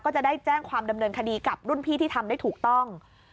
ก็จะได้แจ้งความดำเนินคดีกับรุ่นพี่ที่ทำได้ถูกต้อง